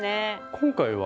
今回は？